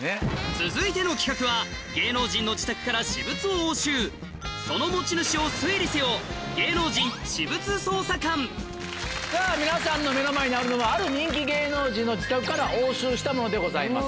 続いての企画はその持ち主を推理せよさぁ皆さんの目の前にあるのはある人気芸能人の自宅から押収したものでございます。